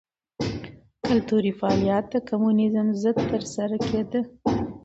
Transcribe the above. کلتوري فعالیت د کمونېزم ضد ترسره کېده.